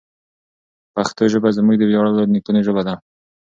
پښتو ژبه زموږ د ویاړلو نیکونو ژبه ده.